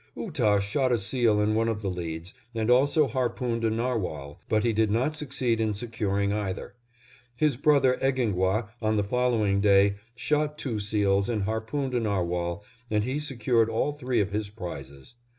Ootah shot a seal in one of the leads, and also harpooned a narwhal, but he did not succeed in securing either. His brother Egingwah on the following day shot two seals and harpooned a narwhal, and he secured all three of his prizes.